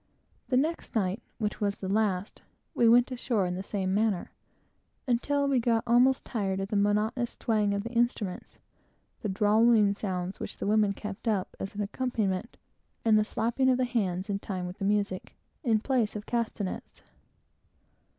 The next night, which was the last, we went ashore in the same manner, until we got almost tired of the monotonous twang of the instruments, the drawling sounds which the women kept up, as an accompaniment, and the slapping of the hands in time with the music, in place of castanets.